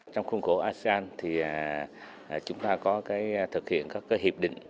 trong khuôn khổ asean thì chúng ta có thực hiện các hiệp định